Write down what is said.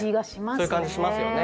そういう感じしますよね。